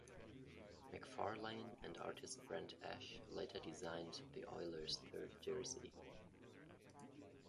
McFarlane and artist Brent Ashe later designed the Oilers' third jersey.